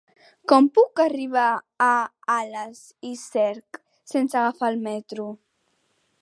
Com puc arribar a Alàs i Cerc sense agafar el metro?